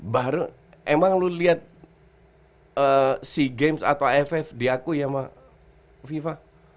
baru emang lu lihat si games atau ff diakui sama fifa